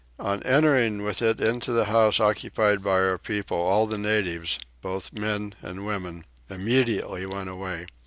On entering with it into the house occupied by our people all the natives, both men and women, immediately went away.